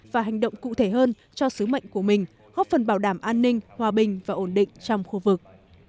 và hành động cụ thể hơn cho sứ mệnh của mình góp phần bảo đảm an ninh hòa bình và ổn định trong khu vực